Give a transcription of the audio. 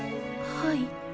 はい。